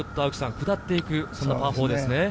下っていくパー４ですね。